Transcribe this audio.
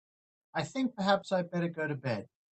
I think perhaps I'd better go to bed.